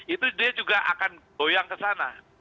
itu dia juga akan goyang ke sana